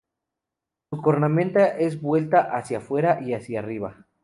Su cornamenta es vuelta hacia fuera y hacia arriba.